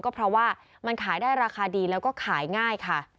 ก็เพราะความราคาขายได้ดีแล้วก็ขายง่าย